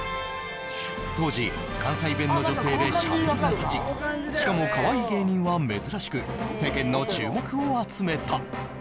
当時、関西弁の女性でしゃべりがたち、しかもかわいい芸人は珍しく世間の注目を集めた。